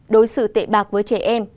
đối xử tệ bạc với trẻ em